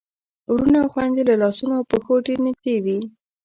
وروڼه او خويندې له لاسونو او پښو ډېر نږدې وي.